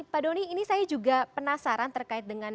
pak doni ini saya juga penasaran terkait dengan